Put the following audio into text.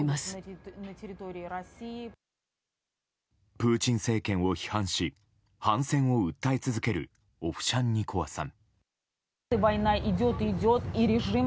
プーチン政権を批判し反戦を訴え続けるオフシャンニコワさん。